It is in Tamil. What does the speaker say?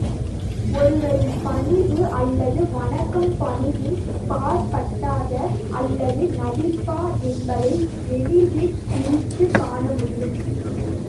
ஒருவரின் பணிவு அல்லது வணக்கம் பணிவின் பாற்பட்டதா அல்லது நடிப்பா என்பதை எளிதிற் பிரித்துக் காணமுடியும்.